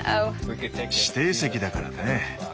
指定席だからね。